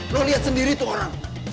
lo lihat sendiri itu orang